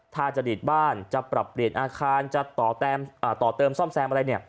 ถ้าจะดีดบ้านจะปรับเปลี่ยนอาคารจะต่อเติมซ่อมแซมอะไรเนี่ย